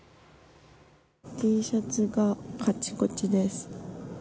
Ｔシャツがカチコチです。